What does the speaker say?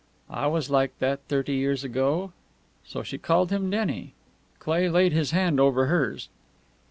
"I was like that thirty years ago." So she called him Denny? Cleigh laid his hand over hers.